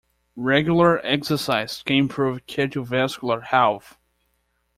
Regular exercise can improve cardiovascular health.